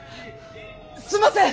すんません！